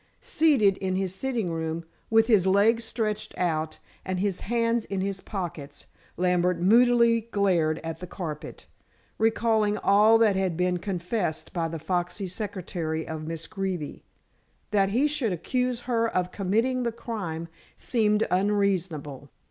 Seated in his sitting room, with his legs stretched out and his hands in his pockets, Lambert moodily glared at the carpet, recalling all that had been confessed by the foxy secretary of Miss Greeby. That he should accuse her of committing the crime seemed unreasonable.